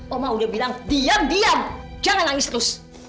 oma udah bilang diam diam jangan nangis terus